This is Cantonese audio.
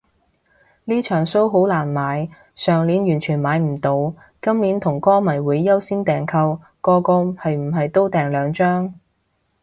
呢場騷好難買，上年完全買唔到，今年跟歌迷會優先訂購，個個係唔係都訂兩張